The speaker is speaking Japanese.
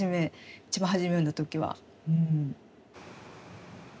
一番初め読んだ時は。